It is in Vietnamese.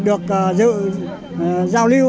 được giữ giao lưu